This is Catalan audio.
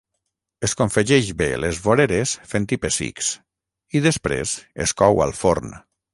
Es confegeix bé les voreres fent-hi pessics, i després es cou al forn.